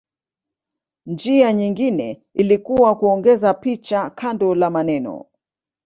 Njia nyingine ilikuwa kuongeza picha kando la maneno.